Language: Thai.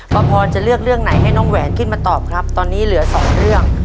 พรจะเลือกเรื่องไหนให้น้องแหวนขึ้นมาตอบครับตอนนี้เหลือสองเรื่อง